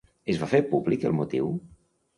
Es va fer públic el motiu?